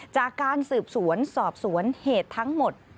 จากการสืบสวนสอบสวนเหตุทั้งหมด